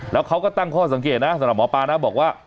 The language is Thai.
แล้วเขาก็ตั้งข้อสังเกตนะสำหรับหมอปลานะบอกว่า